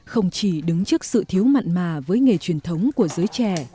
không chỉ đứng trước sự thiếu mặn mà với nghề truyền thống của giới trẻ